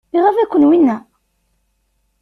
Iɣaḍ-iken winna?